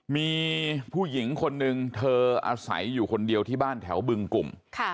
มีผู้หญิงคนนึงเธออาศัยอยู่คนเดียวที่บ้านแถวบึงกลุ่ม